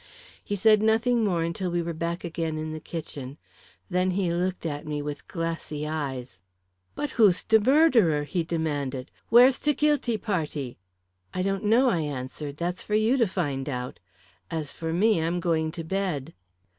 He said nothing more until we were back again in the kitchen. Then he looked at me with glassy eyes. "But who's t'e murderer?" he demanded. "Where's t'e guilty party?" "I don't know," I answered. "That's for you to find out. As for me, I'm going to bed."